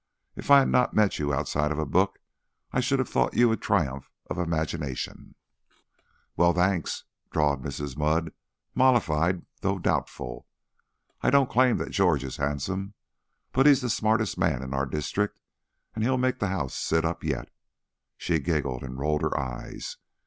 If I had not met you outside of a book, I should have thought you a triumph of imagination." "Well thanks," drawled Mrs. Mudd, mollified though doubtful. "I don't claim that George is handsome, but he's the smartest man in our district and he'll make the House sit up yet." She giggled and rolled her eyes.